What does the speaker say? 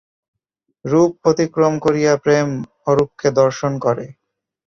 রূপ অতিক্রম করিয়া প্রেম অরূপকে দর্শন করে।